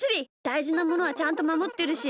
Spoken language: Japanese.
だいじなものはちゃんとまもってるし。